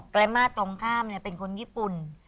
แกรมมาร์ตรงข้ามเนี่ยเป็นคนญี่ปุ่น